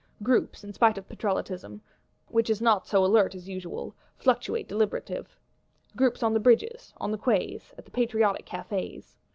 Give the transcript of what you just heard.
Groups, in spite of Patrollotism, which is not so alert as usual, fluctuate deliberative: groups on the Bridges, on the Quais, at the patriotic Cafés.